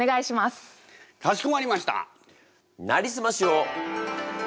かしこまりました！